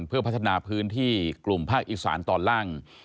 เพื่อพัฒนาพื้นที่กลุ่มภาคอีสานตอนล่าง